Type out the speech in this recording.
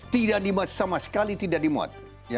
tidak dimuat sama sekali tidak dimuat